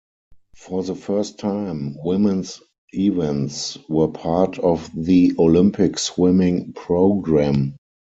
For the first time, women's events were part of the Olympic swimming program.